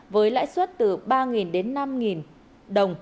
với lãi suất từ ba đến năm đồng